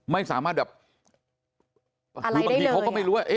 ไม่สามารถแบบอะไรได้เลยหรือบางทีเขาก็ไม่รู้ว่า